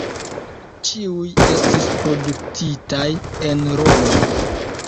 Ĉiuj estis produktitaj en Romo.